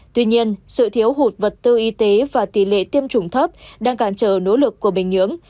tuy nhiên sự thiếu hụt vật tư y tế và tỷ lệ tiêm chủng thấp đang cản trở nỗ lực của bình nhưỡng